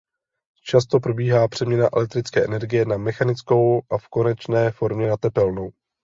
Často probíhá přeměna elektrické energie na mechanickou a v konečné formě na tepelnou.